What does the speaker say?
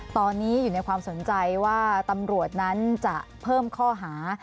ตอนนี้อยู่ในความสนใจว่าตำรวจนั้นจะเพิ่มข้อหา